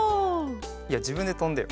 いやじぶんでとんでよ。